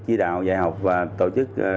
chỉ đạo dạy học và tổ chức